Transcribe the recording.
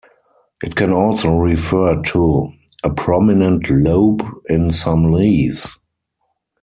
It can also refer to "a prominent lobe in some leaves".